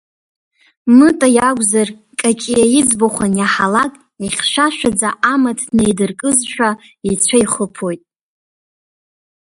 Мыта иакәзар, Каҷиа иӡбахә аниаҳалак, ихьшәашәаӡа амаҭ неидыркызшәа ицәа ихыԥоит.